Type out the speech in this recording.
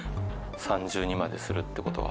三重にまでするってことは。